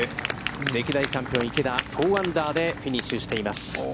歴代チャンピオン池田、４アンダーでフィニッシュしています。